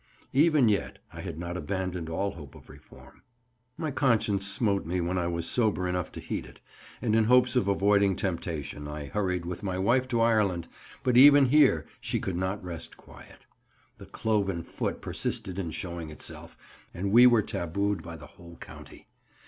Even yet I had not abandoned all hope of reform. My conscience smote me when I was sober enough to heed it, and in hopes of avoiding temptation I hurried with my wife to Ireland; but even here she could not rest quiet. The cloven foot persisted in showing itself, and we were tabooed by the whole county.